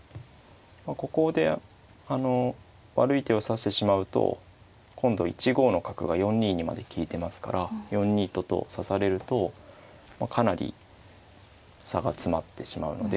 ここで悪い手を指してしまうと今度１五の角が４二にまで利いてますから４二とと指されるとかなり差が詰まってしまうので。